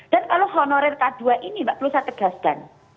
dan kalau honorer k dua ini mbak perlu saya tegaskan